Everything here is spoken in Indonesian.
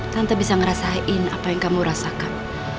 tante bisa ngerasain apa yang kamu rasakan